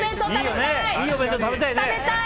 食べたい！